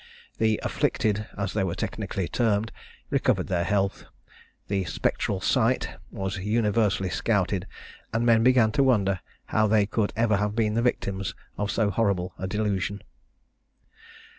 The "afflicted," as they were technically termed, recovered their health; the "spectral sight" was universally scouted; and men began to wonder how they could ever have been the victims of so horrible a delusion.